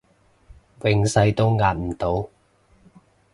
永世都壓唔到